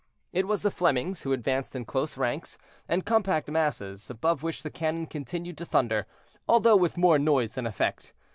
It was the Flemings, who advanced in close ranks, and compact masses, above which the cannon continued to thunder, although with more noise than effect.